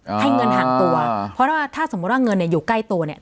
ให้เงินห่างตัวอ่าเพราะว่าถ้าถ้าสมมุติว่าเงินเนี่ยอยู่ใกล้ตัวเนี่ย